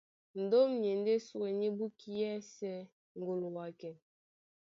Ndóm nie ndé súe ní búkí yɛ́sɛ̄ ŋgolowakɛ.